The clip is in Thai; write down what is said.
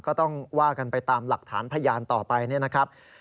ก็ต้องว่ากันไปตามหลักฐานพยานต่อไปเนี่ยนะครับ